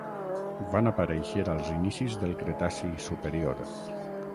Van aparèixer als inicis del Cretaci superior.